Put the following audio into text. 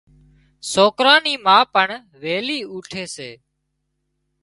سوڪران ني ما پڻ ويلِي اُوٺي سي۔